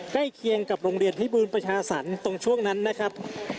ใกล้เคียงกับโรงเรียนพิบูรณประชาสรรค์ตรงช่วงนั้นนะครับ